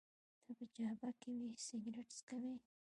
ته په جبهه کي وې، سګرېټ څکوې؟